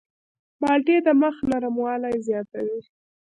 مالټې د مخ نرموالی زیاتوي.